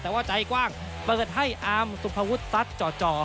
แต่ว่าใจกว้างเปิดให้อาร์มสุภวุฒิซัดจ่อ